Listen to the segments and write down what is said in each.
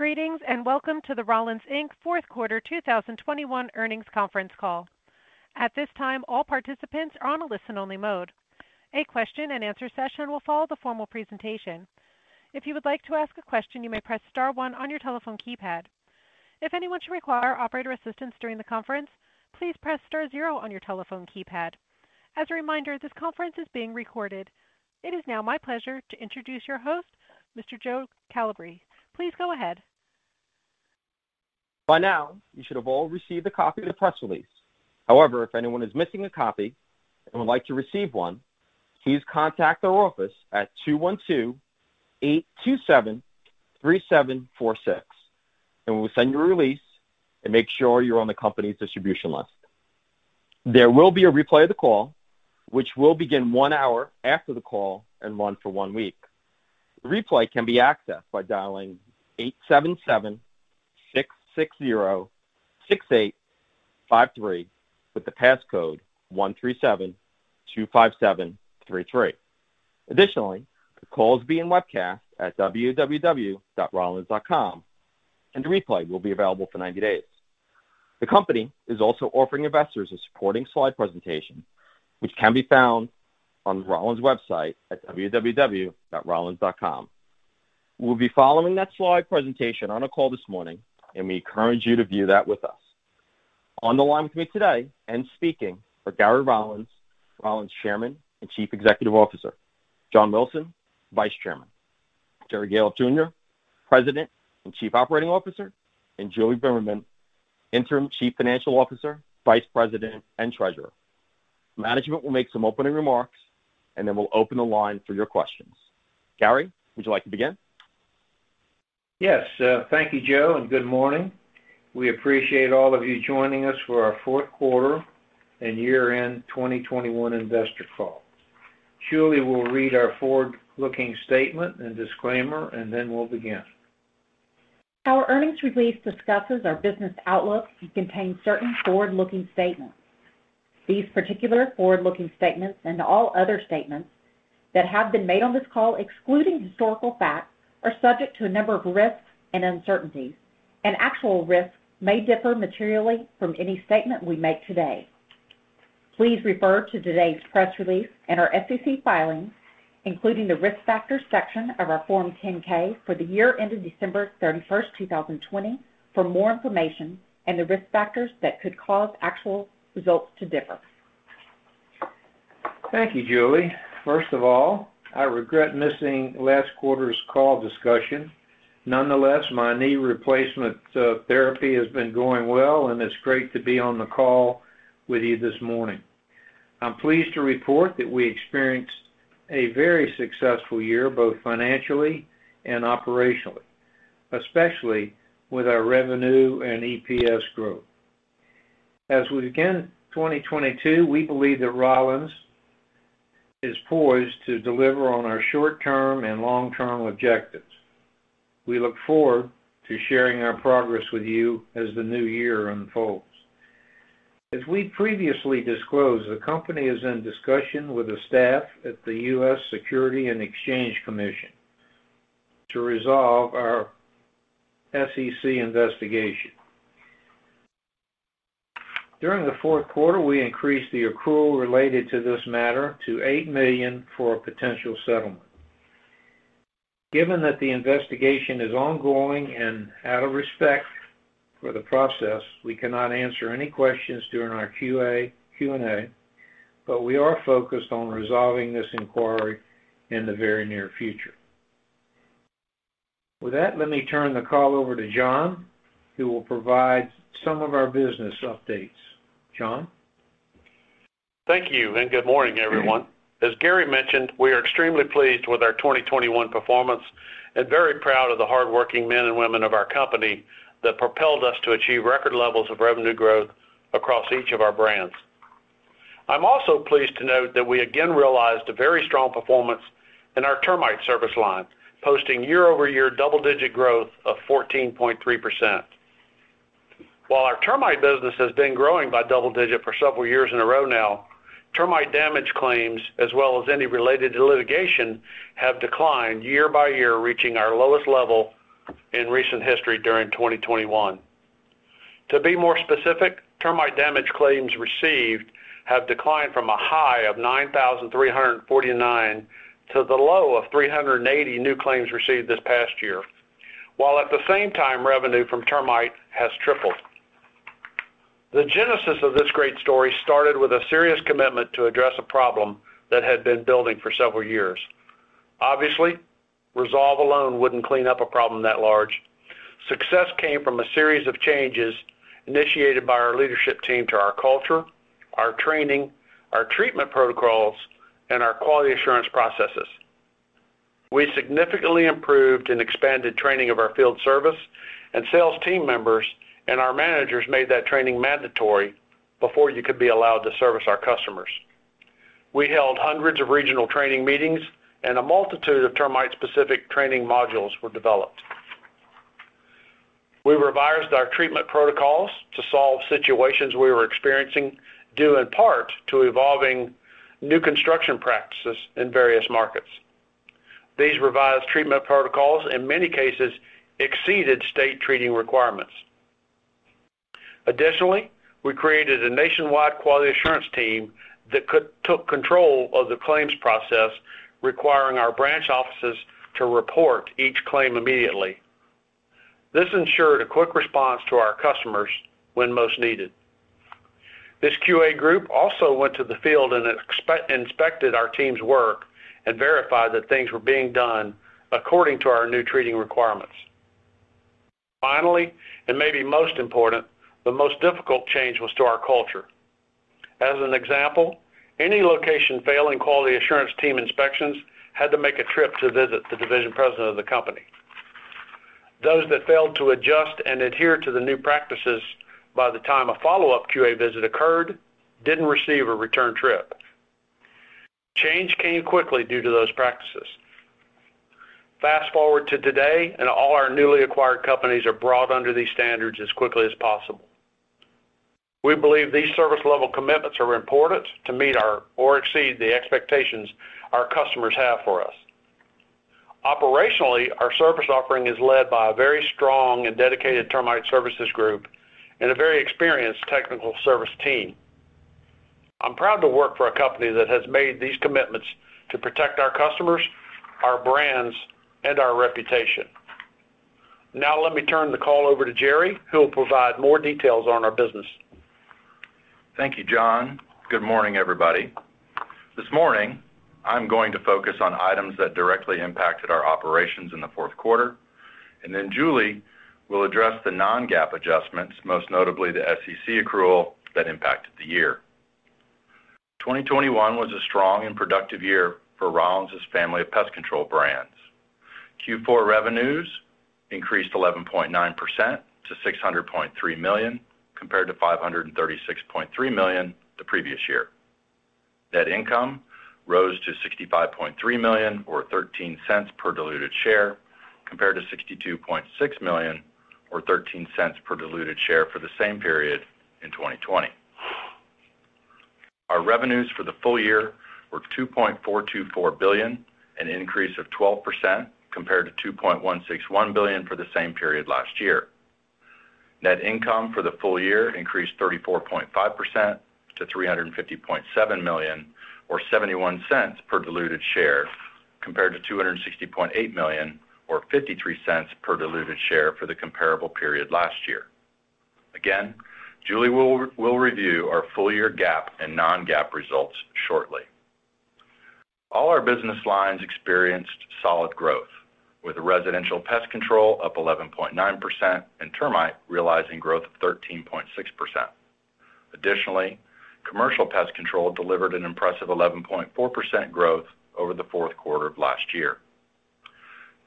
Greetings, and welcome to the Rollins, Inc. Q4 2021 Earnings Conference Call. At this time, all participants are on a listen-only mode. A question-and-answer session will follow the formal presentation. If you would like to ask a question, you may press Star 1 on your telephone keypad. If anyone should require operator assistance during the conference, please press Star 0 on your telephone keypad. As a reminder, this conference is being recorded. It is now my pleasure to introduce your host, Mr. Joe Calabrese. Please go ahead. By now, you should have all received a copy of the press release. However, if anyone is missing a copy and would like to receive one, please contact our office at 212-827-3746, and we'll send you a release and make sure you're on the company's distribution list. There will be a replay of the call, which will begin 1 hour after the call and run for 1 week. The replay can be accessed by dialing 877-660-6853 with the passcode 13725733. Additionally, the call is being webcast at www.rollins.com, and the replay will be available for 90 days. The company is also offering investors a supporting slide presentation, which can be found on Rollins website at www.rollins.com. We'll be following that slide presentation on a call this morning, and we encourage you to view that with us. On the line with me today and speaking for Gary Rollins Chairman and Chief Executive Officer, John Wilson, Vice Chairman, Jerry Gahlhoff Jr., President and Chief Operating Officer, and Julie Bimmerman, Interim Chief Financial Officer, Vice President, and Treasurer. Management will make some opening remarks, and then we'll open the line for your questions. Gary, would you like to begin? Yes. Thank you, Joe, and good morning. We appreciate all of you joining us for our Q4 and year-end 2021 investor call. Julie will read our forward-looking statement and disclaimer, and then we'll begin. Our earnings release discusses our business outlook and contains certain forward-looking statements. These particular forward-looking statements, and all other statements that have been made on this call, excluding historical fact, are subject to a number of risks and uncertainties, and actual results may differ materially from any statement we make today. Please refer to today's press release and our SEC filings, including the Risk Factors section of our Form 10-K for the year ended December 31, 2020 for more information and the risk factors that could cause actual results to differ. Thank you, Julie. First of all, I regret missing last quarter's call discussion. Nonetheless, my knee replacement therapy has been going well, and it's great to be on the call with you this morning. I'm pleased to report that we experienced a very successful year, both financially and operationally, especially with our revenue and EPS growth. As we begin 2022, we believe that Rollins is poised to deliver on our short-term and long-term objectives. We look forward to sharing our progress with you as the new year unfolds. As we previously disclosed, the company is in discussion with the staff at the U.S. Securities and Exchange Commission to resolve our SEC investigation. During the Q4, we increased the accrual related to this matter to $8 million for a potential settlement. Given that the investigation is ongoing and out of respect for the process, we cannot answer any questions during our QA, Q&A, but we are focused on resolving this inquiry in the very near future. With that, let me turn the call over to John, who will provide some of our business updates. John? Thank you, and good morning, everyone. As Gary mentioned, we are extremely pleased with our 2021 performance and very proud of the hardworking men and women of our company that propelled us to achieve record levels of revenue growth across each of our brands. I'm also pleased to note that we again realized a very strong performance in our termite service line, posting year-over-year double-digit growth of 14.3%. While our termite business has been growing by double-digit for several years in a row now, termite damage claims, as well as any related litigation, have declined year by year, reaching our lowest level in recent history during 2021. To be more specific, termite damage claims received have declined from a high of 9,349 to the low of 380 new claims received this past year, while at the same time revenue from termite has tripled. The genesis of this great story started with a serious commitment to address a problem that had been building for several years. Obviously, resolve alone wouldn't clean up a problem that large. Success came from a series of changes initiated by our leadership team to our culture, our training, our treatment protocols, and our quality assurance processes. We significantly improved and expanded training of our field service and sales team members, and our managers made that training mandatory before you could be allowed to service our customers. We held hundreds of regional training meetings, and a multitude of termite-specific training modules were developed. We revised our treatment protocols to solve situations we were experiencing due in part to evolving new construction practices in various markets. These revised treatment protocols, in many cases, exceeded state treating requirements. Additionally, we created a nationwide quality assurance team that took control of the claims process, requiring our branch offices to report each claim immediately. This ensured a quick response to our customers when most needed. This QA group also went to the field and inspected our team's work and verified that things were being done according to our new treating requirements. Finally, and maybe most important, the most difficult change was to our culture. As an example, any location failing quality assurance team inspections had to make a trip to visit the division president of the company. Those that failed to adjust and adhere to the new practices by the time a follow-up QA visit occurred didn't receive a return trip. Change came quickly due to those practices. Fast-forward to today, and all our newly acquired companies are brought under these standards as quickly as possible. We believe these service level commitments are important to meet or exceed the expectations our customers have for us. Operationally, our service offering is led by a very strong and dedicated termite services group and a very experienced technical service team. I'm proud to work for a company that has made these commitments to protect our customers, our brands, and our reputation. Now let me turn the call over to Jerry, who will provide more details on our business. Thank you, John. Good morning, everybody. This morning, I'm going to focus on items that directly impacted our operations in the Q4, and then Julie will address the non-GAAP adjustments, most notably the SEC accrual that impacted the year. 2021 was a strong and productive year for Rollins' family of pest control brands. Q4 revenues increased 11.9% to $600.3 million, compared to $536.3 million the previous year. Net income rose to $65.3 million or $0.13 per diluted share, compared to $62.6 million or $0.13 per diluted share for the same period in 2020. Our revenues for the full year were $2.424 billion, an increase of 12% compared to $2.161 billion for the same period last year. Net income for the full year increased 34.5% to $350.7 million or $0.71 per diluted share, compared to $260.8 million or $0.53 per diluted share for the comparable period last year. Again, Julie will review our full year GAAP and non-GAAP results shortly. All our business lines experienced solid growth, with residential pest control up 11.9% and termite realizing growth of 13.6%. Additionally, commercial pest control delivered an impressive 11.4% growth over the Q4 of last year.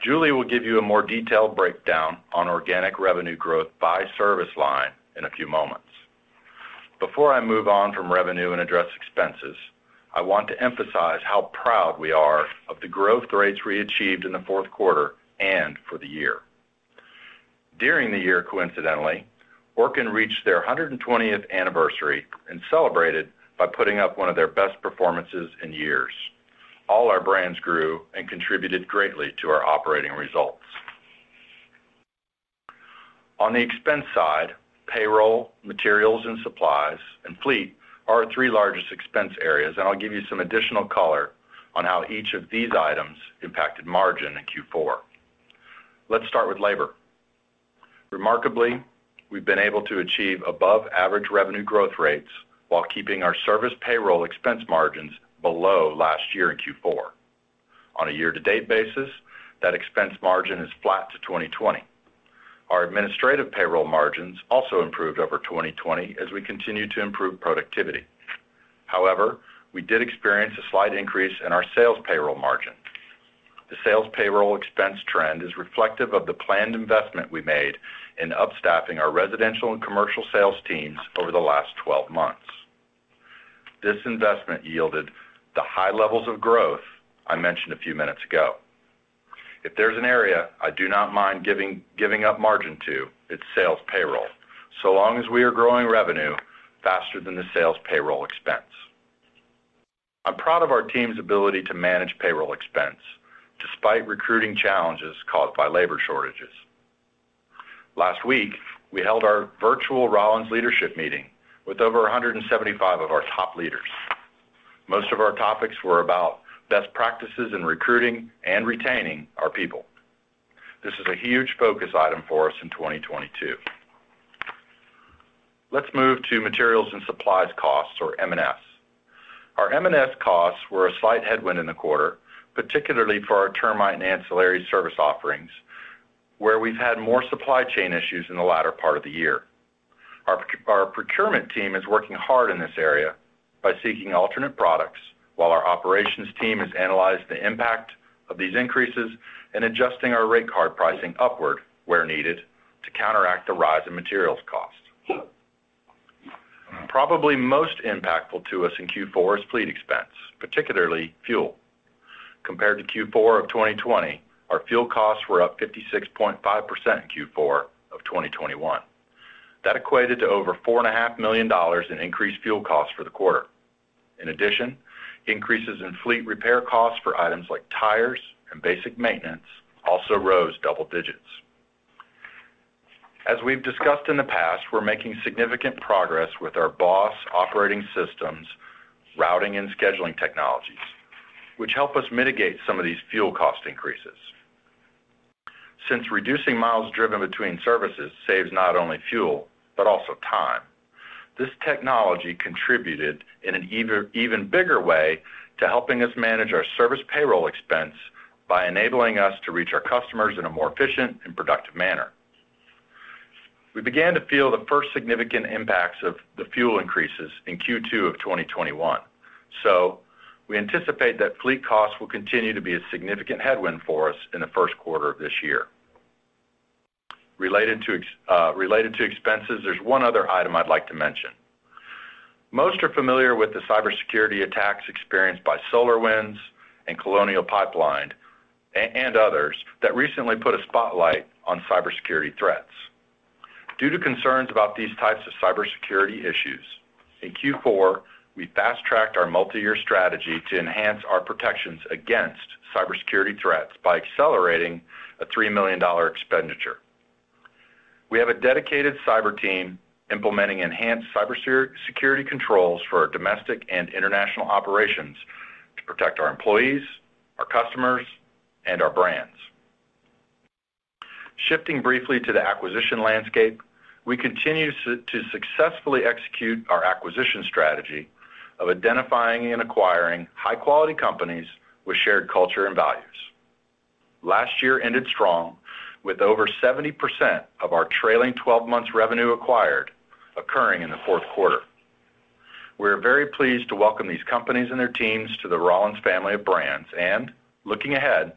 Julie will give you a more detailed breakdown on organic revenue growth by service line in a few moments. Before I move on from revenue and address expenses, I want to emphasize how proud we are of the growth rates we achieved in the Q4 and for the year. During the year, coincidentally, Orkin reached their 120th anniversary and celebrated by putting up one of their best performances in years. All our brands grew and contributed greatly to our operating results. On the expense side, payroll, materials, and supplies, and fleet are our three largest expense areas, and I'll give you some additional color on how each of these items impacted margin in Q4. Let's start with labor. Remarkably, we've been able to achieve above-average revenue growth rates while keeping our service payroll expense margins below last year in Q4. On a year-to-date basis, that expense margin is flat to 2020. Our administrative payroll margins also improved over 2020 as we continued to improve productivity. However, we did experience a slight increase in our sales payroll margin. The sales payroll expense trend is reflective of the planned investment we made in up-staffing our residential and commercial sales teams over the last 12 months. This investment yielded the high levels of growth I mentioned a few minutes ago. If there's an area I do not mind giving up margin to, it's sales payroll, so long as we are growing revenue faster than the sales payroll expense. I'm proud of our team's ability to manage payroll expense despite recruiting challenges caused by labor shortages. Last week, we held our virtual Rollins leadership meeting with over 175 of our top leaders. Most of our topics were about best practices in recruiting and retaining our people. This is a huge focus item for us in 2022. Let's move to materials and supplies costs, or M&S. Our M&S costs were a slight headwind in the quarter, particularly for our termite and ancillary service offerings, where we've had more supply chain issues in the latter part of the year. Our procurement team is working hard in this area by seeking alternate products while our operations team has analyzed the impact of these increases and adjusting our rate card pricing upward where needed to counteract the rise in materials costs. Probably most impactful to us in Q4 is fleet expense, particularly fuel. Compared to Q4 of 2020, our fuel costs were up 56.5% in Q4 of 2021. That equated to over $4.5 million in increased fuel costs for the quarter. In addition, increases in fleet repair costs for items like tires and basic maintenance also rose double digits. As we've discussed in the past, we're making significant progress with our BOSS operating systems routing and scheduling technologies, which help us mitigate some of these fuel cost increases. Since reducing miles driven between services saves not only fuel, but also time, this technology contributed in an even bigger way to helping us manage our service payroll expense by enabling us to reach our customers in a more efficient and productive manner. We began to feel the first significant impacts of the fuel increases in Q2 of 2021. We anticipate that fleet costs will continue to be a significant headwind for us in the Q1 of this year. Related to expenses, there's one other item I'd like to mention. Most are familiar with the cybersecurity attacks experienced by SolarWinds and Colonial Pipeline and others that recently put a spotlight on cybersecurity threats. Due to concerns about these types of cybersecurity issues, in Q4, we fast-tracked our multi-year strategy to enhance our protections against cybersecurity threats by accelerating a $3 million expenditure. We have a dedicated cyber team implementing enhanced cybersecurity controls for our domestic and international operations to protect our employees, our customers, and our brands. Shifting briefly to the acquisition landscape, we continue to successfully execute our acquisition strategy of identifying and acquiring high-quality companies with shared culture and values. Last year ended strong with over 70% of our trailing 12 months revenue acquired occurring in the Q4. We are very pleased to welcome these companies and their teams to the Rollins family of brands. Looking ahead,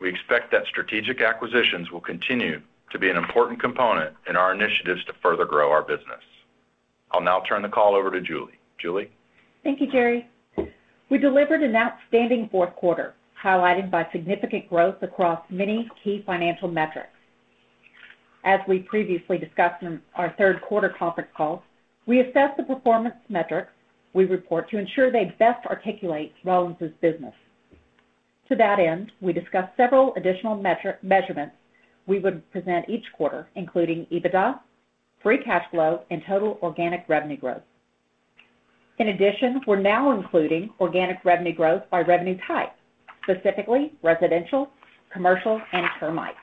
we expect that strategic acquisitions will continue to be an important component in our initiatives to further grow our business. I'll now turn the call over to Julie. Julie. Thank you, Jerry. We delivered an outstanding Q4, highlighted by significant growth across many key financial metrics. As we previously discussed in our Q3 conference call, we assessed the performance metrics we report to ensure they best articulate Rollins' business. To that end, we discussed several additional measurements we would present each quarter, including EBITDA, free cash flow, and total organic revenue growth. In addition, we're now including organic revenue growth by revenue type, specifically residential, commercial, and termite.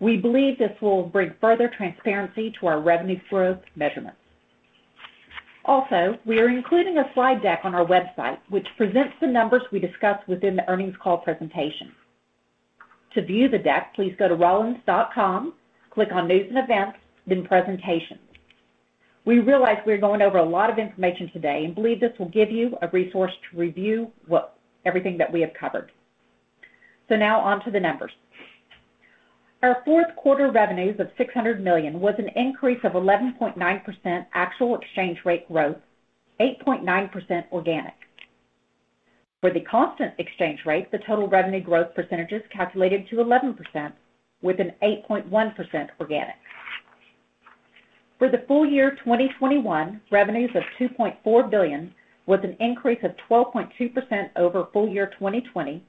We believe this will bring further transparency to our revenue growth measurements. Also, we are including a slide deck on our website, which presents the numbers we discuss within the earnings call presentation. To view the deck, please go to rollins.com, click on News & Events, then Presentations. We realize we're going over a lot of information today, and believe this will give you a resource to review what everything that we have covered. Now on to the numbers. Our Q4 revenues of $600 million was an increase of 11.9% actual exchange rate growth, 8.9% organic. For the constant exchange rate, the total revenue growth percentage is calculated to 11% with an 8.1% organic. For the full year 2021, revenues of $2.4 billion was an increase of 12.2% over full year 2020,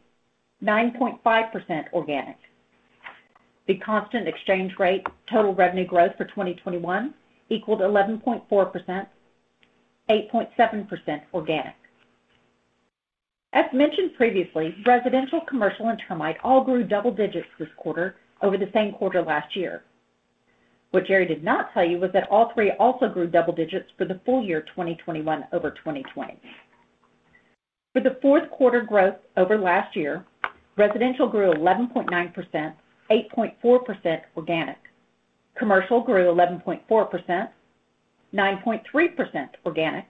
9.5% organic. The constant exchange rate total revenue growth for 2021 equaled 11.4%, 8.7% organic. As mentioned previously, residential, commercial, and termite all grew double digits this quarter over the same quarter last year. What Jerry did not tell you was that all three also grew double digits for the full year 2021 over 2020. For the Q4 growth over last year, residential grew 11.9%, 8.4% organic. Commercial grew 11.4%, 9.3% organic.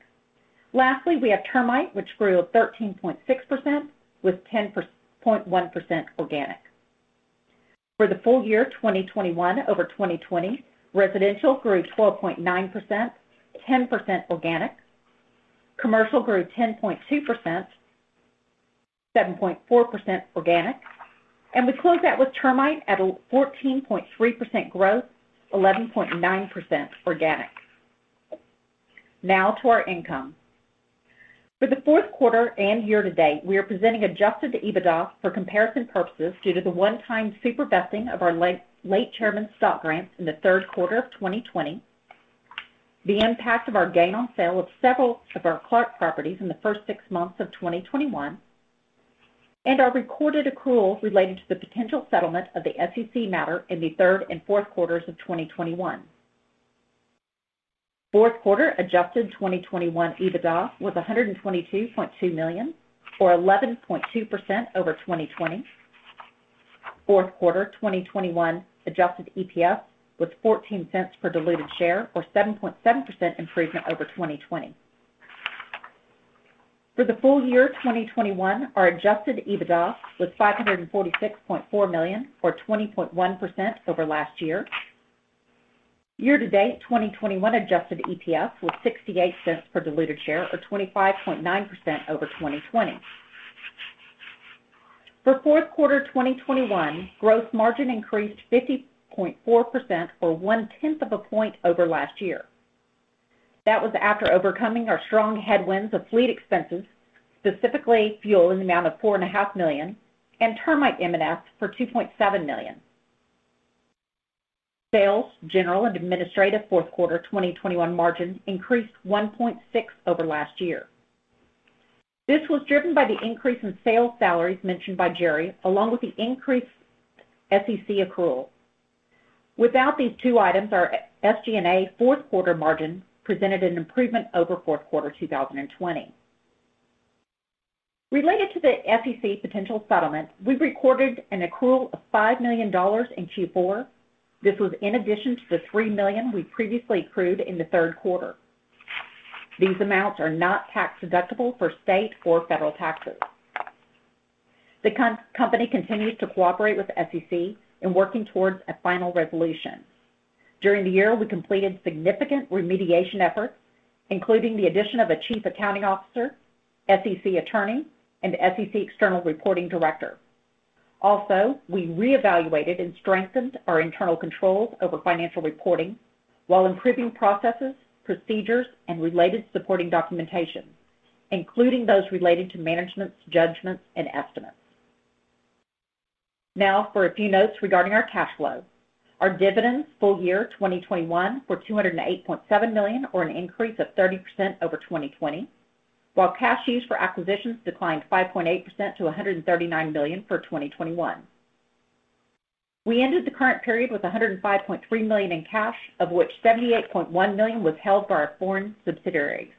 Lastly, we have termite, which grew 13.6% with 10.1% organic. For the full year 2021 over 2020, residential grew 12.9%, 10% organic. Commercial grew 10.2%, 7.4% organic. We close out with termite at a 14.3% growth, 11.9% organic. Now to our income. For the Q4 and year to date, we are presenting adjusted EBITDA for comparison purposes due to the one-time super vesting of our late chairman's stock grants in the Q3 of 2020, the impact of our gain on sale of several of our Clark properties in the first six months of 2021, and our recorded accrual relating to the potential settlement of the SEC matter in the third and Q4s of 2021. Q4 adjusted 2021 EBITDA was $122.2 million or 11.2% over 2020. Q4 2021 adjusted EPS was $0.14 per diluted share or 7.7% improvement over 2020. For the full year 2021, our adjusted EBITDA was $546.4 million, or 20.1% over last year. Year-to-date, 2021 adjusted EPS was $0.68 per diluted share or 25.9% over 2020. For Q4 of 2021, gross margin increased 50.4% or 0.1 of a point over last year. That was after overcoming our strong headwinds of fleet expenses, specifically fuel in the amount of $4.5 million, and termite M&S for $2.7 million. Sales, general, and administrative Q4 2021 margin increased 1.6 over last year. This was driven by the increase in sales salaries mentioned by Jerry, along with the increased SEC accrual. Without these two items, our SG&A Q4 margin presented an improvement over Q4 2020. Related to the SEC potential settlement, we recorded an accrual of $5 million in Q4. This was in addition to the $3 million we previously accrued in the Q3. These amounts are not tax-deductible for state or federal taxes. The company continues to cooperate with SEC in working towards a final resolution. During the year, we completed significant remediation efforts, including the addition of a chief accounting officer, SEC attorney, and SEC external reporting director. Also, we reevaluated and strengthened our internal controls over financial reporting while improving processes, procedures, and related supporting documentation, including those relating to management's judgments and estimates. Now for a few notes regarding our cash flow. Our dividends full year 2021 were $208.7 million, or an increase of 30% over 2020. While cash used for acquisitions declined 5.8% to $139 million for 2021. We ended the current period with $105.3 million in cash, of which $78.1 million was held by our foreign subsidiaries.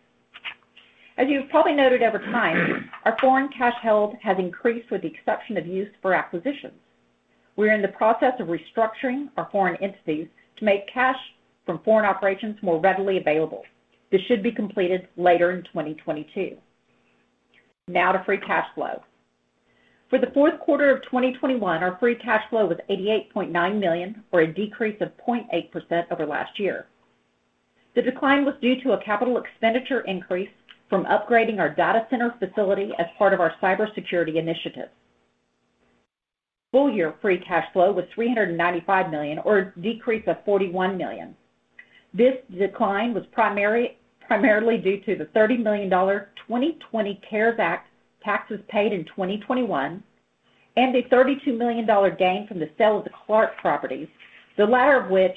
As you've probably noted over time, our foreign cash held has increased with the exception of use for acquisitions. We're in the process of restructuring our foreign entities to make cash from foreign operations more readily available. This should be completed later in 2022. Now to free cash flow. For the Q4 of 2021, our free cash flow was $88.9 million, or a decrease of 0.8% over last year. The decline was due to a capital expenditure increase from upgrading our data center facility as part of our cybersecurity initiative. Full year free cash flow was $395 million or a decrease of $41 million. This decline was primarily due to the $30 million 2020 CARES Act taxes paid in 2021 and a $32 million gain from the sale of the Clark properties, the latter of which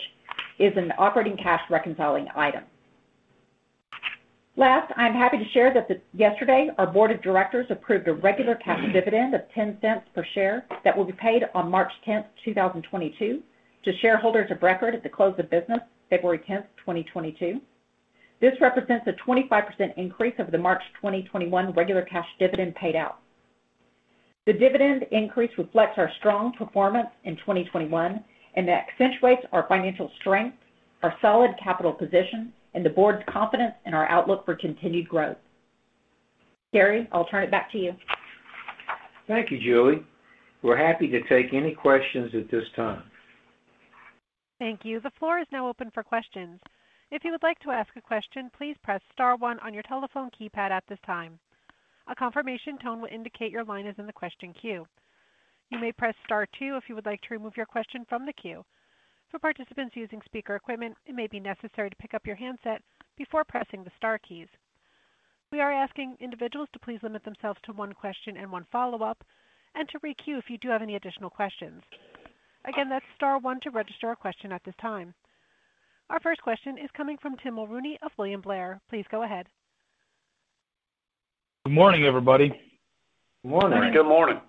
is an operating cash reconciling item. Last, I'm happy to share that yesterday, our board of directors approved a regular cash dividend of $0.10 per share that will be paid on March 10, 2022, to shareholders of record at the close of business February 10, 2022. This represents a 25% increase over the March 2021 regular cash dividend paid out. The dividend increase reflects our strong performance in 2021 and accentuates our financial strength, our solid capital position, and the board's confidence in our outlook for continued growth. Gary, I'll turn it back to you. Thank you, Julie. We're happy to take any questions at this time. Thank you. The floor is now open for questions. If you would like to ask a question, please press Star 1 on your telephone keypad at this time. A confirmation tone will indicate your line is in the question queue. You may press Star 2 if you would like to remove your question from the queue. For participants using speaker equipment, it may be necessary to pick up your handset before pressing the star keys. We are asking individuals to please limit themselves to one question and one follow-up and to re-queue if you do have any additional questions. Again, that's Star 1 to register a question at this time. Our first question is coming from Tim Mulrooney of William Blair. Please go ahead. Good morning, everybody. Morning. Good morning.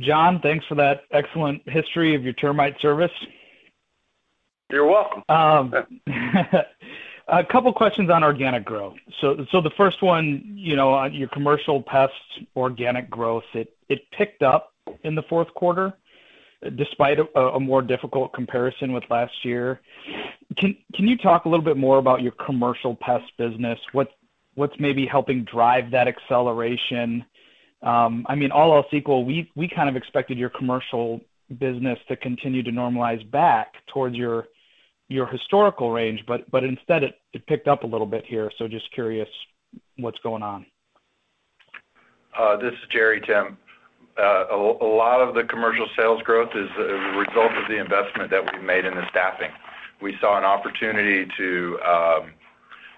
John, thanks for that excellent history of your termite service. You're welcome. A couple of questions on organic growth. The first one, you know, on your commercial pest organic growth, it picked up in the Q4 despite a more difficult comparison with last year. Can you talk a little bit more about your commercial pest business? What's maybe helping drive that acceleration? I mean, all else equal, we kind of expected your commercial business to continue to normalize back towards your historical range, but instead it picked up a little bit here. Just curious what's going on. This is Jerry, Tim. A lot of the commercial sales growth is a result of the investment that we made in the staffing. We saw an opportunity to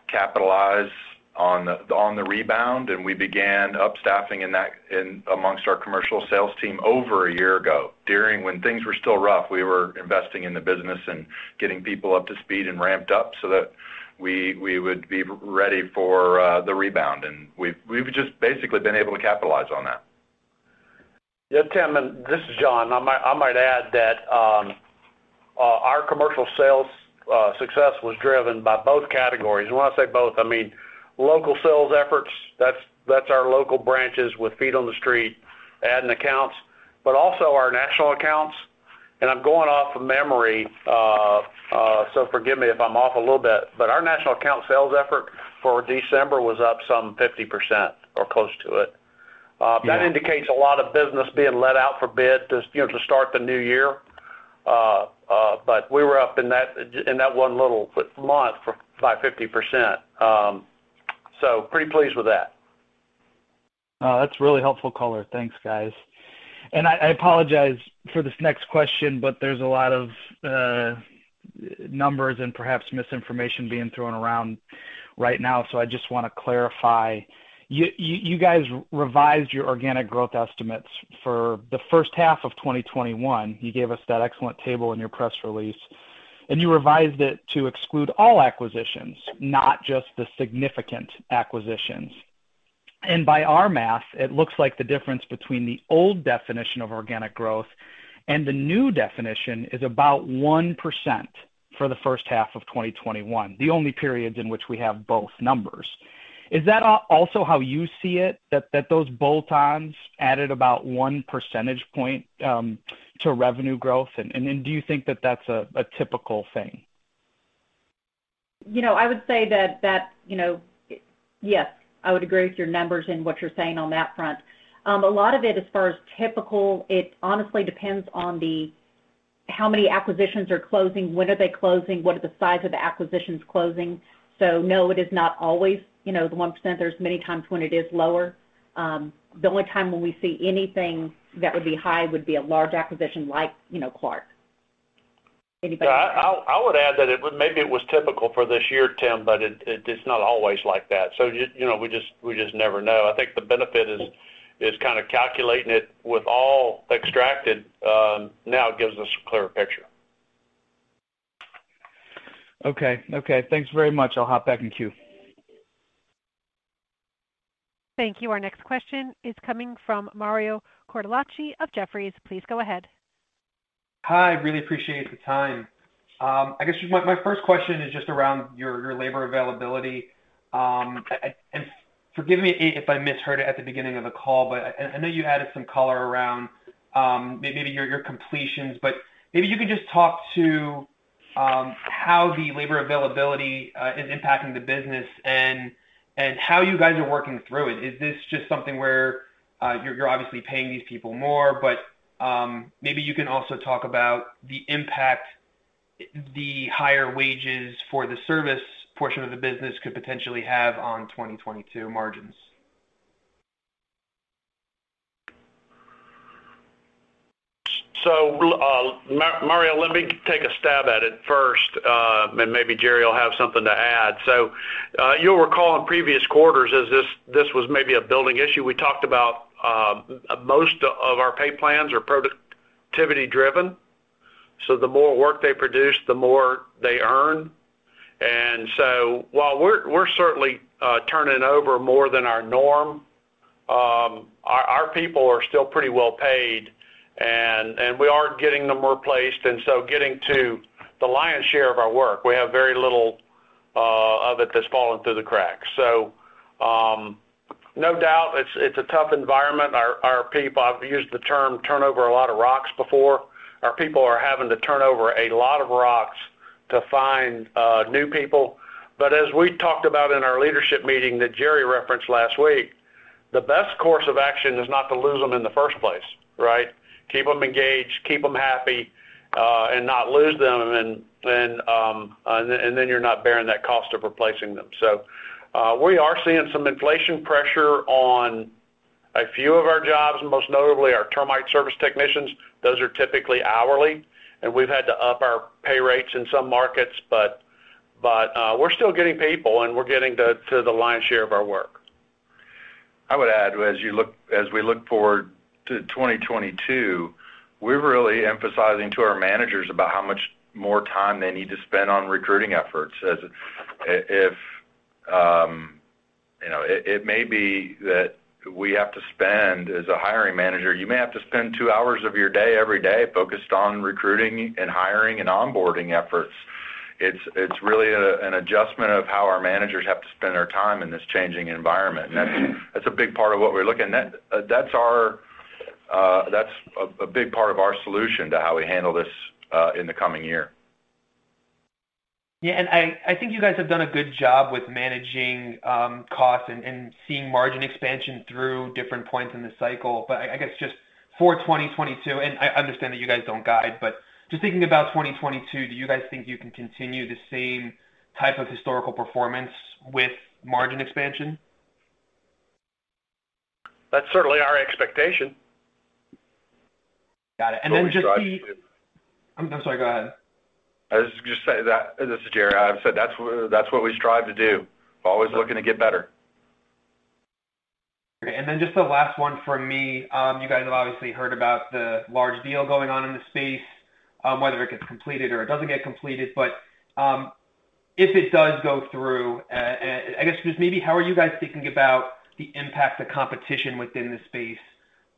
capitalize on the rebound, and we began up staffing in amongst our commercial sales team over a year ago. When things were still rough, we were investing in the business and getting people up to speed and ramped up so that we would be ready for the rebound. We've just basically been able to capitalize on that. Yeah, Tim, and this is John. I might add that our commercial sales success was driven by both categories. When I say both, I mean local sales efforts. That's our local branches with feet on the street adding accounts. But also our national accounts. And I'm going off of memory, so forgive me if I'm off a little bit, but our national account sales effort for December was up some 50% or close to it. That indicates a lot of business being let out for bid, you know, to start the new year. But we were up in that just in that one little month by 50%. So pretty pleased with that. Oh, that's really helpful color. Thanks, guys. I apologize for this next question, but there's a lot of numbers and perhaps misinformation being thrown around right now, so I just wanna clarify. You guys revised your organic growth estimates for the first half of 2021. You gave us that excellent table in your press release, and you revised it to exclude all acquisitions, not just the significant acquisitions. By our math, it looks like the difference between the old definition of organic growth and the new definition is about 1% for the first half of 2021, the only periods in which we have both numbers. Is that also how you see it, that those bolt-ons added about 1 percentage point to revenue growth? Then do you think that that's a typical thing? You know, I would say that you know, yes, I would agree with your numbers and what you're saying on that front. A lot of it, as far as typical, it honestly depends on how many acquisitions are closing, when are they closing, what are the size of the acquisitions closing. No, it is not always, you know, the 1%. There are many times when it is lower. The only time when we see anything that would be high would be a large acquisition like, you know, Clark. I would add that maybe it was typical for this year, Tim, but it's not always like that. You know, we just never know. I think the benefit is kind of calculating it with all extracted now gives us a clearer picture. Okay, thanks very much. I'll hop back in queue. Thank you. Our next question is coming from Mario Cortellacci of Jefferies. Please go ahead. I really appreciate the time. I guess just my first question is just around your labor availability. Forgive me if I misheard it at the beginning of the call, but I know you added some color around maybe your completions. Maybe you could just talk to how the labor availability is impacting the business and how you guys are working through it. Is this just something where you're obviously paying these people more, but maybe you can also talk about the impact the higher wages for the service portion of the business could potentially have on 2022 margins. Mario, let me take a stab at it first, and maybe Jerry will have something to add. You'll recall in previous quarters as this was maybe a building issue, we talked about most of our pay plans are productivity driven, so the more work they produce, the more they earn. While we're certainly turning over more than our norm, our people are still pretty well paid and we are getting them replaced, and getting to the lion's share of our work. We have very little of it that's fallen through the cracks. No doubt it's a tough environment. Our people, I've used the term turn over a lot of rocks before. Our people are having to turn over a lot of rocks to find new people. As we talked about in our leadership meeting that Jerry referenced last week, the best course of action is not to lose them in the first place, right? Keep them engaged, keep them happy, and not lose them and then you're not bearing that cost of replacing them. We are seeing some inflation pressure on a few of our jobs, most notably our termite service technicians. Those are typically hourly, and we've had to up our pay rates in some markets, but we're still getting people and we're getting them to the lion's share of our work. I would add, as we look forward to 2022, we're really emphasizing to our managers about how much more time they need to spend on recruiting efforts. As if, it may be that we have to spend, as a hiring manager, you may have to spend two hours of your day every day focused on recruiting and hiring and onboarding efforts. It's really an adjustment of how our managers have to spend their time in this changing environment. That's a big part of what we're looking. That's our, that's a big part of our solution to how we handle this in the coming year. Yeah. I think you guys have done a good job with managing costs and seeing margin expansion through different points in the cycle. I guess just for 2022, I understand that you guys don't guide, but just thinking about 2022, do you guys think you can continue the same type of historical performance with margin expansion? That's certainly our expectation. Got it. What we strive to. I'm sorry, go ahead. I was just saying that. This is Jerry. I've said that's what we strive to do. Always looking to get better. Great. Just the last one from me. You guys have obviously heard about the large deal going on in the space, whether it gets completed or it doesn't get completed. If it does go through, I guess just maybe how are you guys thinking about the impact to competition within the space?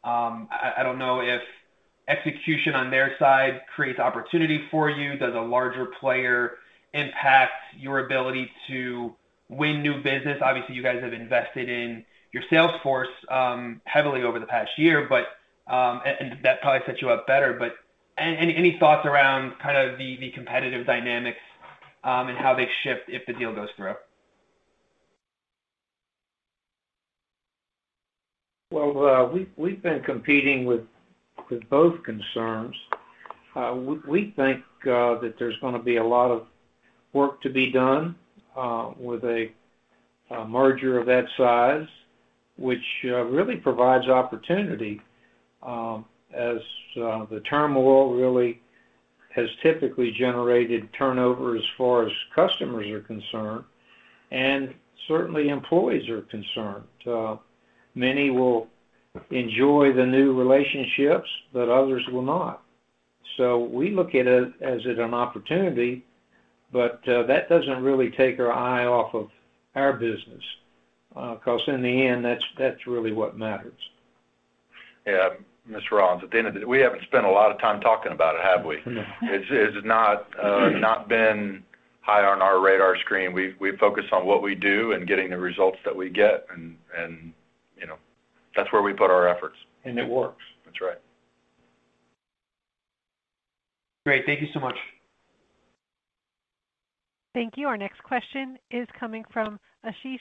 I don't know if execution on their side creates opportunity for you. Does a larger player impact your ability to win new business? Obviously, you guys have invested in your sales force heavily over the past year, and that probably sets you up better. Any thoughts around kind of the competitive dynamics and how they shift if the deal goes through. We've been competing with both concerns. We think that there's gonna be a lot of work to be done with a merger of that size, which really provides opportunity, as the turmoil really has typically generated turnover as far as customers are concerned, and certainly employees are concerned. Many will enjoy the new relationships, but others will not. We look at it as an opportunity, but that doesn't really take our eye off of our business, 'cause in the end, that's really what matters. Yeah. Mr. Rollins, at the end of the day, we haven't spent a lot of time talking about it, have we? No. It's not been high on our radar screen. We focus on what we do and getting the results that we get and, you know, that's where we put our efforts. It works. That's right. Great. Thank you so much. Thank you. Our next question is coming from Ashish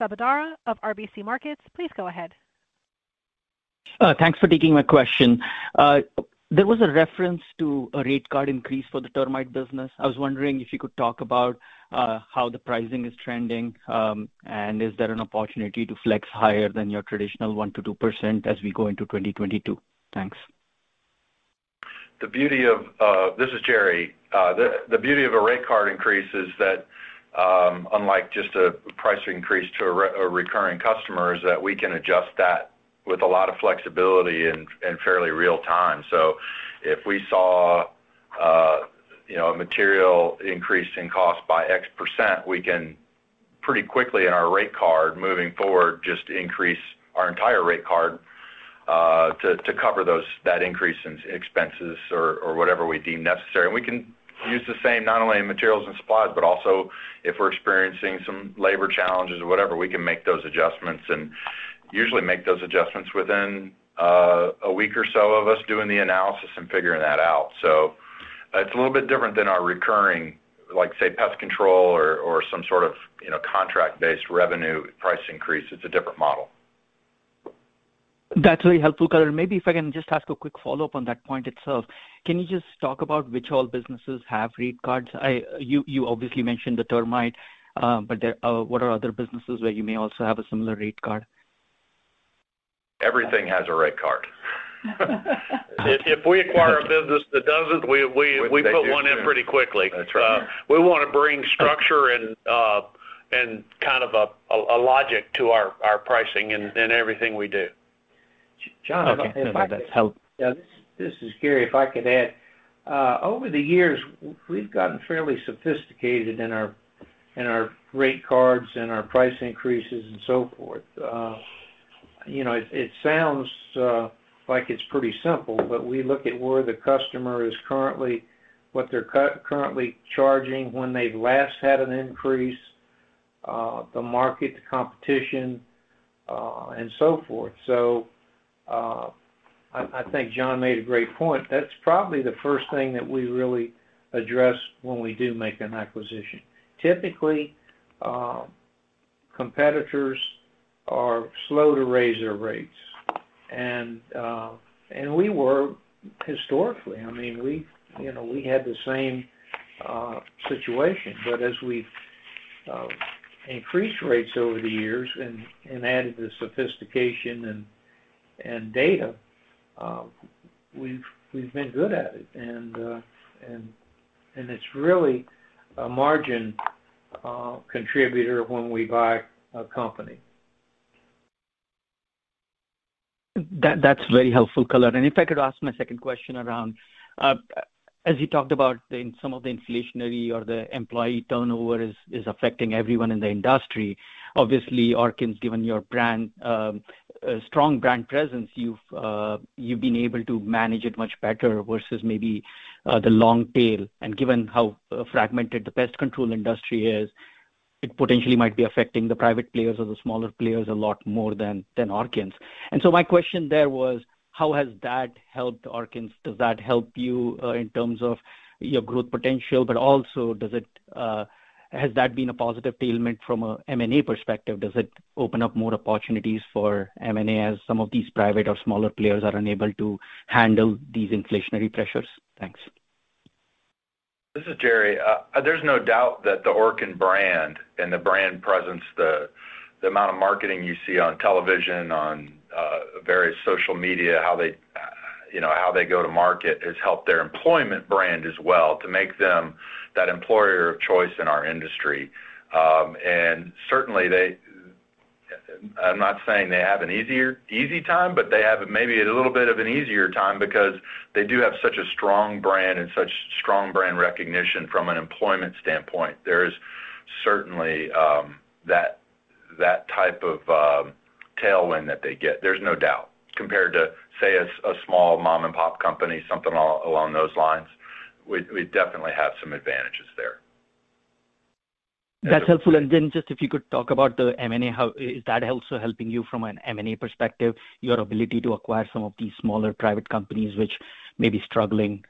Sabadra of RBC Capital Markets. Please go ahead. Thanks for taking my question. There was a reference to a rate card increase for the termite business. I was wondering if you could talk about how the pricing is trending, and is there an opportunity to flex higher than your traditional 1%-2% as we go into 2022? Thanks. The beauty of. This is Jerry. The beauty of a rate card increase is that unlike just a price increase to a recurring customer, we can adjust that with a lot of flexibility in fairly real time. If we saw you know a material increase in cost by X%, we can pretty quickly in our rate card moving forward just increase our entire rate card to cover that increase in expenses or whatever we deem necessary. We can use the same not only in materials and supplies but also if we're experiencing some labor challenges or whatever. We can make those adjustments and usually make those adjustments within a week or so of us doing the analysis and figuring that out. It's a little bit different than our recurring, like say, pest control or some sort of, you know, contract-based revenue price increase. It's a different model. That's really helpful color. Maybe if I can just ask a quick follow-up on that point itself. Can you just talk about which all businesses have rate cards? You obviously mentioned the termite, but there, what are other businesses where you may also have a similar rate card? Everything has a rate card. If we acquire a business that doesn't, we put one in pretty quickly. That's right. We wanna bring structure and kind of a logic to our pricing in everything we do. Okay. No, that's helpful. This is Gary. If I could add, over the years, we've gotten fairly sophisticated in our rate cards and our price increases and so forth. You know, it sounds like it's pretty simple, but we look at where the customer is currently, what they're currently charging, when they've last had an increase, the market competition, and so forth. I think John made a great point. That's probably the first thing that we really address when we do make an acquisition. Typically, competitors are slow to raise their rates, and we were historically. I mean, you know, we had the same situation. As we've increased rates over the years and added the sophistication and data, we've been good at it. It's really a margin contributor when we buy a company. That's very helpful color. If I could ask my second question around as you talked about some of the inflationary or employee turnover is affecting everyone in the industry. Obviously, Orkin’s, given your brand, strong brand presence, you’ve been able to manage it much better versus maybe the long tail. Given how fragmented the pest control industry is, it potentially might be affecting the private players or the smaller players a lot more than Orkin. My question there was, how has that helped Orkin? Does that help you in terms of your growth potential, but also does it has that been a positive tailwind from a M&A perspective? Does it open up more opportunities for M&A as some of these private or smaller players are unable to handle these inflationary pressures? Thanks. This is Jerry. There's no doubt that the Orkin brand and the brand presence, the amount of marketing you see on television, on various social media, how they, you know, how they go to market, has helped their employment brand as well to make them that employer of choice in our industry. Certainly I'm not saying they have an easier, easy time, but they have maybe a little bit of an easier time because they do have such a strong brand and such strong brand recognition from an employment standpoint. There's certainly that type of tailwind that they get, there's no doubt. Compared to, say, a small mom and pop company, something along those lines. We definitely have some advantages there. That's helpful. Just if you could talk about the M&A, how is that also helping you from an M&A perspective, your ability to acquire some of these smaller private companies which may be struggling,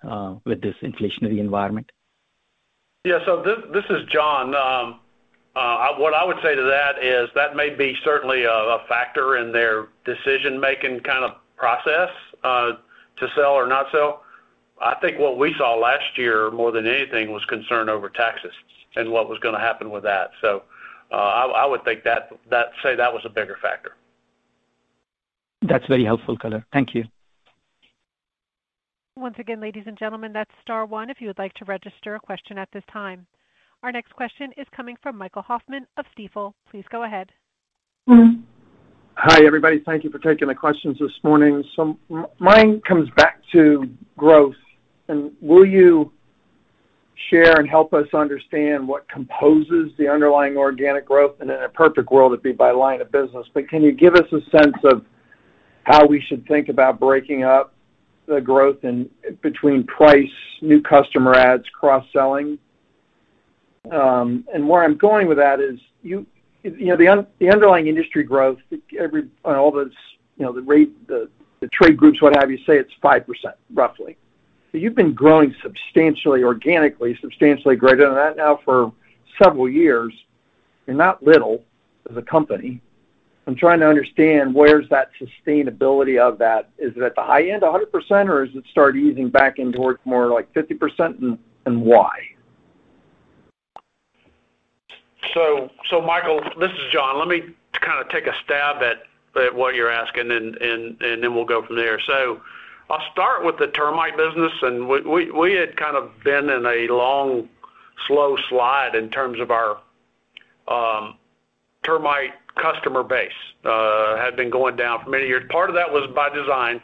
with this inflationary environment? Yeah. This is John. What I would say to that is that may be certainly a factor in their decision-making kind of process to sell or not sell. I think what we saw last year more than anything was concern over taxes and what was gonna happen with that. I would say that was a bigger factor. That's very helpful color. Thank you. Once again, ladies and gentlemen, that's star one if you would like to register a question at this time. Our next question is coming from Michael Hoffman of Stifel. Please go ahead. Hi, everybody. Thank you for taking the questions this morning. Mine comes back to growth. Will you share and help us understand what composes the underlying organic growth? In a perfect world, it'd be by line of business. Can you give us a sense of how we should think about breaking up the growth in between price, new customer adds, cross-selling? Where I'm going with that is, you know, the underlying industry growth, on all this, you know, the rate, the trade groups, what have you, say it's 5%, roughly. You've been growing substantially organically, substantially greater than that now for several years, and not little as a company. I'm trying to understand where's that sustainability of that. Is it at the high end, 100%, or has it started easing back in towards more like 50% and why? Michael, this is John. Let me kind of take a stab at what you're asking and then we'll go from there. I'll start with the termite business. We had kind of been in a long, slow slide in terms of our termite customer base had been going down for many years. Part of that was by design,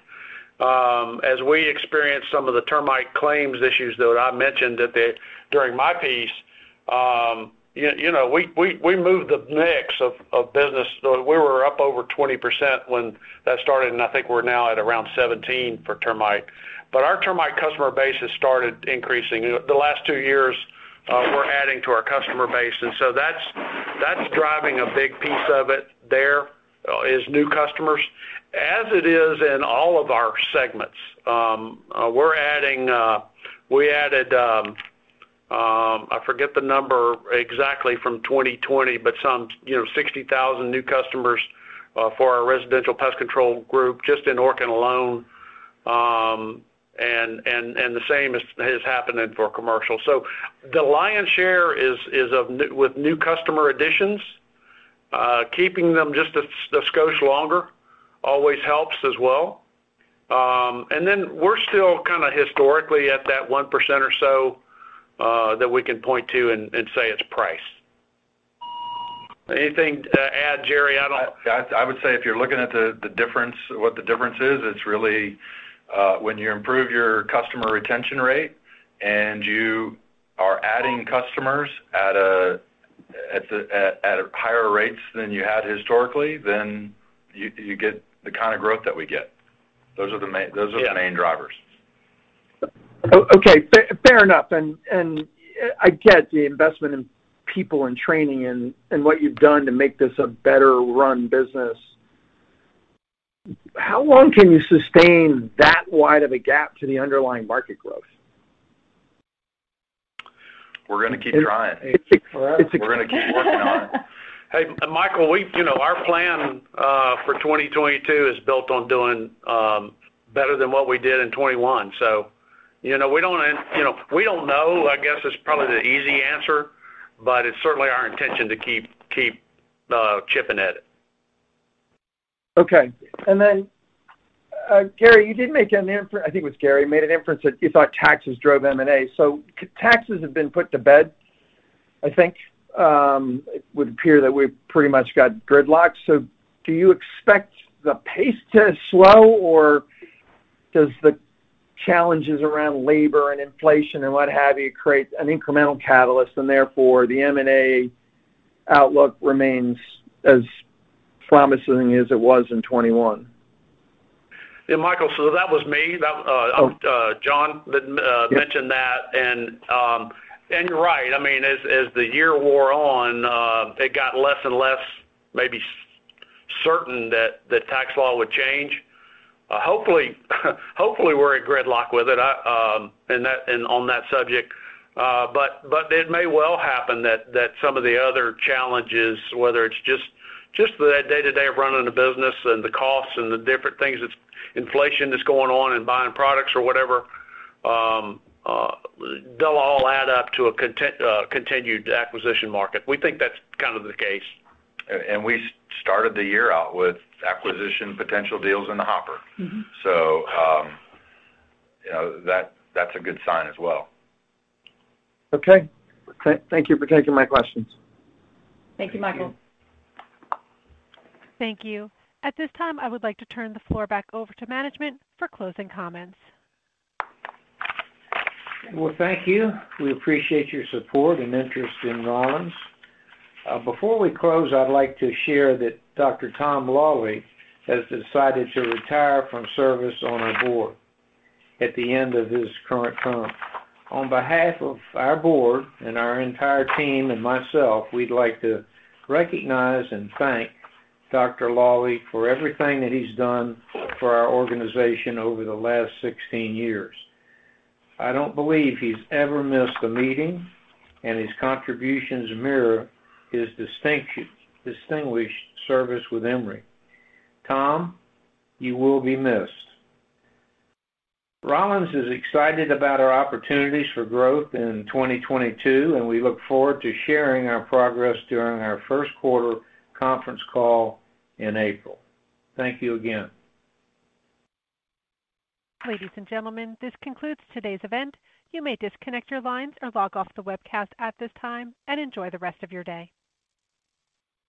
as we experienced some of the termite claims issues, though I mentioned that during my piece, you know, we moved the mix of business. We were up over 20% when that started, and I think we're now at around 17% for termite. Our termite customer base has started increasing. The last two years, we're adding to our customer base, and that's driving a big piece of it. There is new customers. As it is in all of our segments, we added, I forget the number exactly from 2020, but some, you know, 60,000 new customers for our residential pest control group, just in Orkin alone. The same is happening for commercial. The lion's share is with new customer additions. Keeping them just a skosh longer always helps as well. We're still kinda historically at that 1% or so that we can point to and say it's price. Anything to add, Jerry? I don't- I would say if you're looking at the difference, what the difference is, it's really when you improve your customer retention rate and you are adding customers at higher rates than you had historically, then you get the kind of growth that we get. Those are the main- Yeah. Those are the main drivers. Okay. Fair enough. I get the investment in people and training and what you've done to make this a better run business. How long can you sustain that wide of a gap to the underlying market growth? We're gonna keep trying. It's, it's- We're gonna keep working on it. Hey, Michael, you know, our plan for 2022 is built on doing better than what we did in 2021. You know, we don't know, I guess, is probably the easy answer, but it's certainly our intention to keep chipping at it. Okay. Then, Jerry, you did make an inference. I think it was Jerry who made an inference that you thought taxes drove M&A. Taxes have been put to bed, I think. It would appear that we've pretty much got gridlock. Do you expect the pace to slow, or does the challenges around labor and inflation and what have you create an incremental catalyst, and therefore the M&A outlook remains as promising as it was in 2021? Yeah, Michael, so that was me. Oh. John did mention that. You're right. I mean, as the year wore on, it got less and less maybe certain that the tax law would change. Hopefully, we're at gridlock with it in on that subject. It may well happen that some of the other challenges, whether it's just the day-to-day of running a business and the costs and the different things that's inflation that's going on in buying products or whatever, they'll all add up to a continued acquisition market. We think that's kind of the case. We started the year out with acquisition potential deals in the hopper. Mm-hmm. You know, that's a good sign as well. Okay. Thank you for taking my questions. Thank you, Michael. Thank you. At this time, I would like to turn the floor back over to management for closing comments. Well, thank you. We appreciate your support and interest in Rollins. Before we close, I'd like to share that Dr. Tom Lawley has decided to retire from service on our board at the end of his current term. On behalf of our board and our entire team and myself, we'd like to recognize and thank Dr. Lawley for everything that he's done for our organization over the last 16 years. I don't believe he's ever missed a meeting, and his contributions mirror his distinguished service with Emory. Tom, you will be missed. Rollins is excited about our opportunities for growth in 2022, and we look forward to sharing our progress during our Q1 conference call in April. Thank you again. Ladies and gentlemen, this concludes today's event. You may disconnect your lines or log off the webcast at this time, and enjoy the rest of your day.